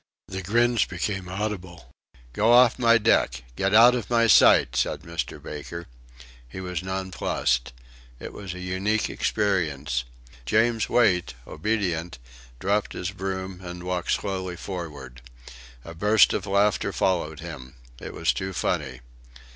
The grins became audible. "Go off my deck get out of my sight," said Mr. Baker. He was nonplussed. It was a unique experience. James Wait, obedient, dropped his broom, and walked slowly forward. A burst of laughter followed him. It was too funny.